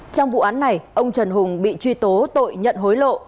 trong vụ án này ông trần hùng bị truy tố tội nhận hối lộ